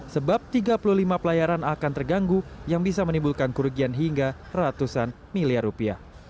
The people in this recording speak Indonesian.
sebab tiga puluh lima pelayaran akan terganggu yang bisa menimbulkan kerugian hingga ratusan miliar rupiah